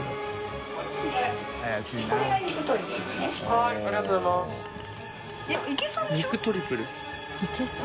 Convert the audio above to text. はいありがとうございます肇螢